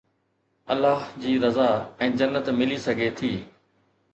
الله جي رضا ۽ جنت ملي سگهي ٿي